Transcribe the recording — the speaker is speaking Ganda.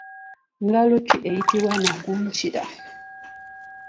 Ngalo ki eyitibwa nakukira?